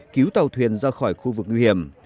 cứu tàu thuyền ra khỏi khu vực nguy hiểm